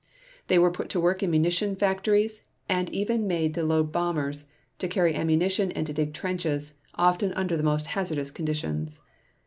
They were put to work in munition factories and even made to load bombers, to carry ammunition and to dig trenches, often under the most hazardous conditions.